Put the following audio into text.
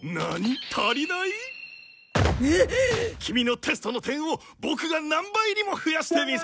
キミのテストの点をボクが何倍にも増やしてみせる！